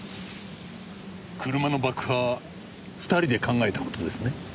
車の爆破は２人で考えた事ですね？